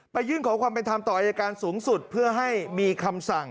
ยื่นขอความเป็นธรรมต่ออายการสูงสุดเพื่อให้มีคำสั่ง